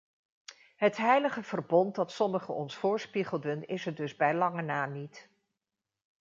Het heilige verbond dat sommigen ons voorspiegelden is er dus bij lange na niet.